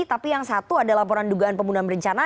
tapi yang satu ada laporan dugaan pembunuhan berencana